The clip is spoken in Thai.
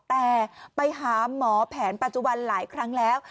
แต่ไปหาหมอแผนปัจจุบันหลายครั้งแล้ว